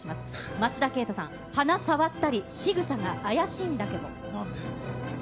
町田啓太さん、鼻触ったり、しぐさが怪しいんだけど。